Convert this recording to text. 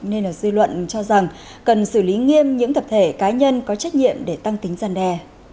nên là dư luận cho rằng cần xử lý nghiêm những tập thể cá nhân có trách nhiệm để tăng tính gian đe